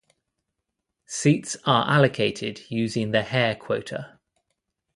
Seats are allocated using the Hare quota.